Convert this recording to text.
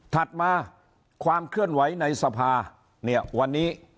ถัดมาความเคลื่อนไหวในสภาเนี่ยวันนี้